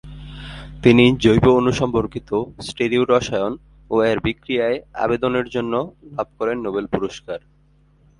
তিনি জৈব অণু সম্পর্কিত স্টেরিও রসায়ন ও এর বিক্রিয়ায় অবদানের জন্য লাভ করেন নোবেল পুরস্কার।